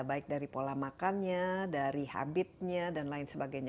baik dari pola makannya dari habitnya dan lain sebagainya